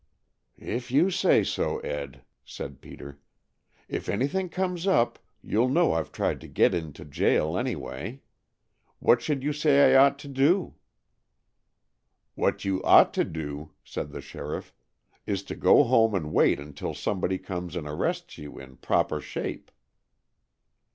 "If you say so, Ed," said Peter. "If anything comes up, you'll know I've tried to get into jail, anyway. What should you say I ought to do?" "What you ought to do," said the sheriff, "is to go home and wait until somebody comes and arrests you in proper shape."